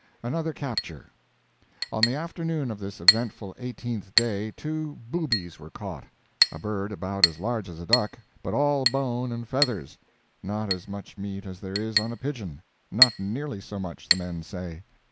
ANOTHER CAPTURE On the afternoon of this eventful eighteenth day two "boobies" were caught—a bird about as large as a duck, but all bone and feathers—not as much meat as there is on a pigeon—not nearly so much, the men say.